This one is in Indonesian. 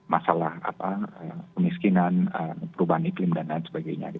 masalah kemiskinan perubahan iklim dan lain sebagainya